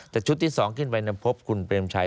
แต่ชุดที่๒ขึ้นไปพบคุณเปรมชัย